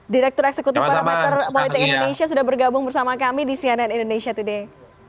direktur eksekutif parameter politik indonesia sudah bergabung bersama kami di cnn indonesia today